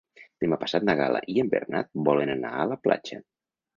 Demà passat na Gal·la i en Bernat volen anar a la platja.